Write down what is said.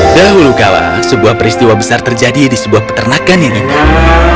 dahulu kala sebuah peristiwa besar terjadi di sebuah peternakan yang dibangun